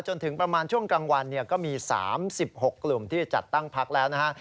จนถึงประมาณช่วงกลางวันเนี่ยก็มี๓๖กลุ่มที่จะจัดตั้งพักแล้วนะฮะ